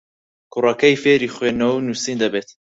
کوڕەکە فێری خوێندنەوە و نووسین دەبێت.